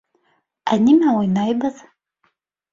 - Ә нимә уйнайбыҙ?